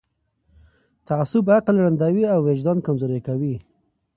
تعصب عقل ړندوي او وجدان کمزوری کوي